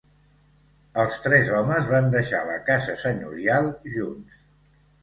Els tres homes van deixar la casa senyorial junts.